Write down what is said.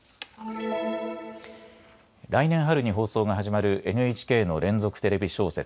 来年春に放送が始まるＮＨＫの連続テレビ小説